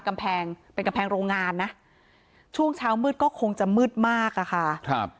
กำแพงเป็นกำแพงโรงงานนะช่วงเช้ามืดก็คงจะมืดมากอะค่ะครับ